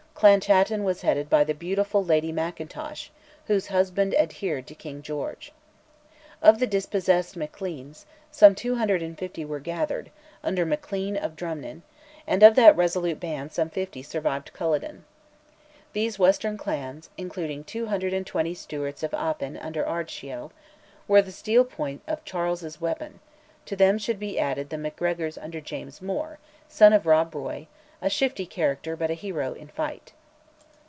Clan Chattan was headed by the beautiful Lady Mackintosh, whose husband adhered to King George. Of the dispossessed Macleans, some 250 were gathered (under Maclean of Drimnin), and of that resolute band some fifty survived Culloden. These western clans (including 220 Stewarts of Appin under Ardshiel) were the steel point of Charles's weapon; to them should be added the Macgregors under James Mor, son of Rob Roy, a shifty character but a hero in fight.